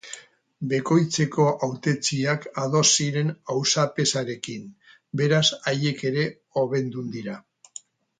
Beskoitzeko hautetsiak ados ziren auzapezarekin, beraz haiek ere hobendun dira.